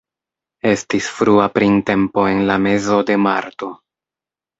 Estis frua printempo en la mezo de marto.